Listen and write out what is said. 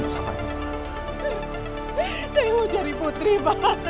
saya mau jadi putri banget